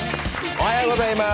おはようございます。